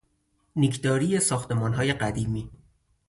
نیکداری ساختمانهای قدیمی